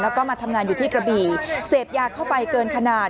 แล้วก็มาทำงานอยู่ที่กระบี่เสพยาเข้าไปเกินขนาด